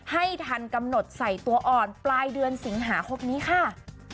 ให้ทันกำหนดใส่ตัวอ่อนปลายเดือนสิงหาคมนี้ค่ะ